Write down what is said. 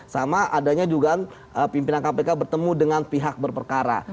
sama adanya dugaan pimpinan kpk bertemu dengan pihak berperkara